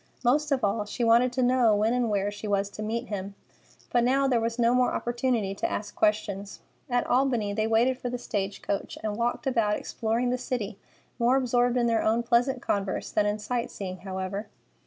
Most of all, she wanted to know when and where she was to meet him. But now there was no more opportunity to ask questions. At Albany, they waited for the stage coach, and walked about exploring the city, more absorbed in their own pleasant converse than in sight seeing, however.